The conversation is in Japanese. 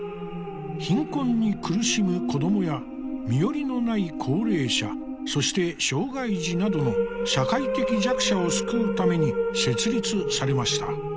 貧困に苦しむ子どもや身寄りのない高齢者そして障害児などの社会的弱者を救うために設立されました。